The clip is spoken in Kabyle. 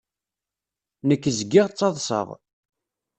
Nekk zgiɣ ttaḍṣaɣ.